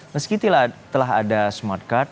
meski telah ada smart card